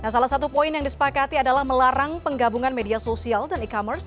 salah satu poin yang disepakati adalah melarang penggabungan media sosial dan e commerce